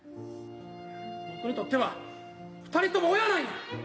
僕にとっては二人とも親なんや。